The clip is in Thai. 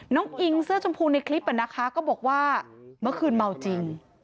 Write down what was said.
อิงเสื้อชมพูในคลิปนะคะก็บอกว่าเมื่อคืนเมาจริง